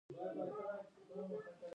دا د سازمان د روشونو بشپړه مطالعه ده.